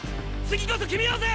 次こそ決めようぜ！